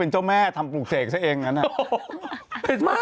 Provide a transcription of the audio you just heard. พี่แมว่ะแต่หนุ่มไม่ได้พี่แมว่ะแต่หนุ่มไม่ได้